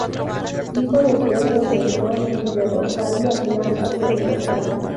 Hijo de Pedro Rendón y de Rosalía Blanco del Rosal.